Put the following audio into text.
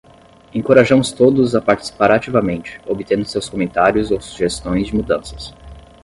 Encorajamos todos a participar ativamente, obtendo seus comentários ou sugestões de mudanças.